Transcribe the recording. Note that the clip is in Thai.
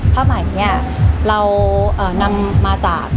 ผ้าใหม่เนี่ยเรานำมาจาก